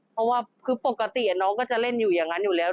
เพราะว่าคือปกติน้องก็จะเล่นอยู่อย่างนั้นอยู่แล้ว